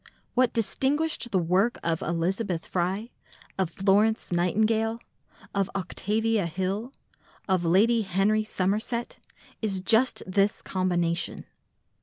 What distinguished the work of Elizabeth Fry, of Florence Nightingale, of Octavia Hill, of Lady Henry Somerset is just this combination.